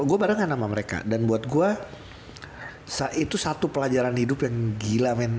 gue barengan sama mereka dan buat gue itu satu pelajaran hidup yang gila men